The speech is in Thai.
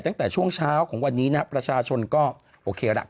ตั้งแต่ช่วงเช้าของวันนี้ประชาชนก็โอเคแล้ว